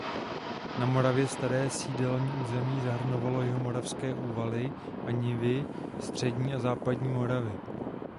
Na Moravě staré sídelní území zahrnovalo jihomoravské úvaly a nivy střední a západní Moravy.